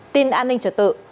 tin an ninh trật tự